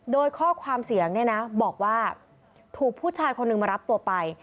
โดยข้อความเสียงเนี่ยนะบอกว่าถูกผู้ชายคนหนึ่งมารับตัวไป